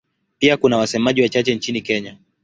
Pia kuna wasemaji wachache nchini Kenya.